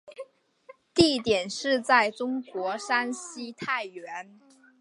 地点是在中国山西太原。